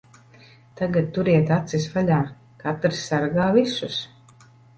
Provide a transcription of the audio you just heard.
Tagad turiet acis vaļā. Katrs sargā visus.